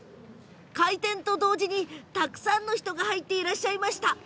開店と同時に、たくさんの方が入っていらっしゃいました。